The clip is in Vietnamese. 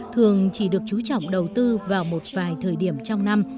thường chỉ được chú trọng đầu tư vào một vài thời điểm trong năm